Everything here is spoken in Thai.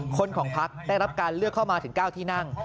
คนของพักได้รับการเลือกเข้ามาถึง๙ที่นั่ง